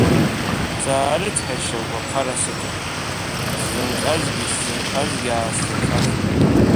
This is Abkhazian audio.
Саарыцҳашьа угәы аԥхара сыҭан, сзынҟьазгьы сзынԥазгьы аасзырхаз.